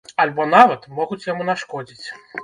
Альбо нават могуць яму нашкодзіць.